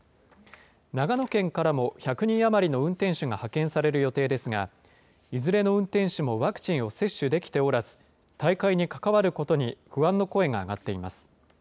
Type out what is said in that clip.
長野県からも１００人余りの運転手が派遣される予定ですが、いずれの運転手もワクチンを接種できておらず、大会に関わることに不安の声が上がっています。